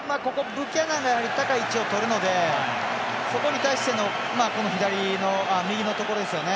ブキャナンが高い位置をとるのでそこに対しての右のところですね